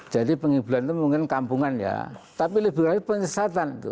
jadi penghiburan itu mungkin kampungan ya tapi lebih lagi penyesatan itu